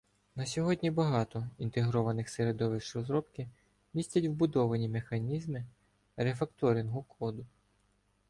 На сьогодні багато інтегрованих середовищ розробки містять вбудовані механізми рефакторингу коду.